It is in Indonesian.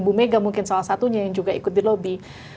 ibu megan mungkin salah satunya yang juga ikut dilobby